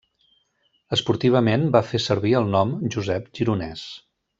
Esportivament va fer servir el nom Josep Gironès.